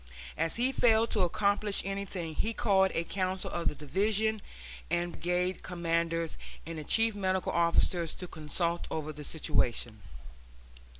As he failed to accomplish anything, he called a council of the division and brigade commanders and the chief medical officers to consult over the situation.